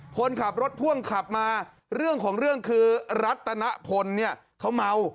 คนขับรถพ่วงขับมาเรื่องของเรื่องคือรัตนพลเนี่ยเขาเมา